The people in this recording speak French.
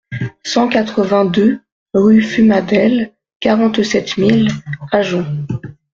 cent quatre-vingt-deux rue Fumadelles, quarante-sept mille Agen